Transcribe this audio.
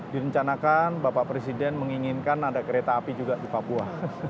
direncanakan bapak presiden menginginkan ada kereta api juga di papua